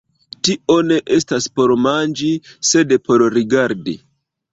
Tio ne estas por manĝi, sed por rigardi.